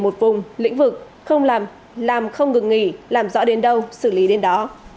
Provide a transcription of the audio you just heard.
một vùng lĩnh vực không làm không ngừng nghỉ làm rõ đến đâu xử lý đến đó